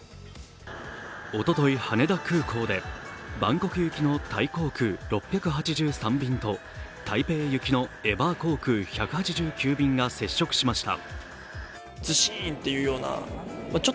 おととい羽田空港でバンコク行きのタイ航空６８３便と台北行きのエバー航空１８９便が接触しました。